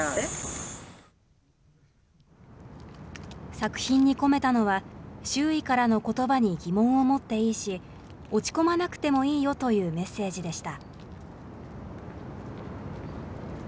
作品に込めたのは、周囲からのことばに疑問を持っていいし、落ち込まなくてもいいよというメッセージでした。